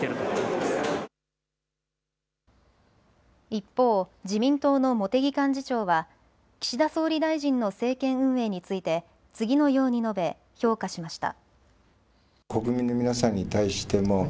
一方、自民党の茂木幹事長は岸田総理大臣の政権運営について次のように述べ評価しました。